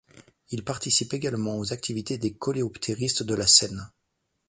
Il participe également aux activités des Coléoptéristes de la Seine.